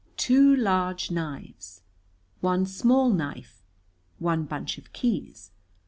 Two large knives. One small knife. One bunch of keys.